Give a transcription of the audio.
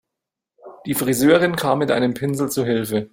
Die Friseurin kam mit einem Pinsel zu Hilfe.